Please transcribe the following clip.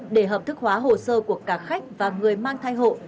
để hợp thức hóa hồ sơ của cả khách và người mang thai hộ